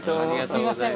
すいません